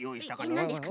なんですか？